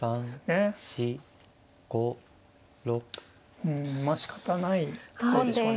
うんしかたないところでしょうね。